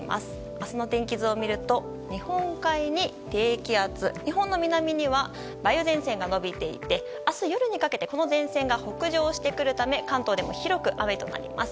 明日の天気図を見ると日本海に低気圧日本の南には梅雨前線が延びていて明日夜にかけてこの前線が北上してくるため関東でも広く雨となります。